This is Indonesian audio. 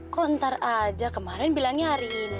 kok ntar aja kemarin bilangnya hari ini